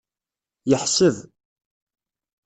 Yeḥseb.